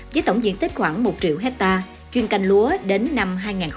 với tổng diện tích khoảng một triệu hectare chuyên canh lúa đến năm hai nghìn ba mươi